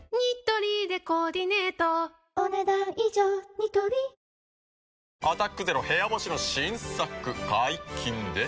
ニトリ「アタックＺＥＲＯ部屋干し」の新作解禁です。